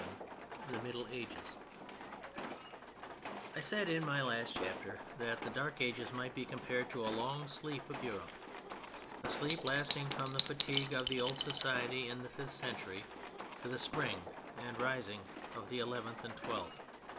VII THE MIDDLE AGES I said in my last chapter that the Dark Ages might be compared to a long sleep of Europe: a sleep lasting from the fatigue of the old society in the fifth century to the spring and rising of the eleventh and twelfth.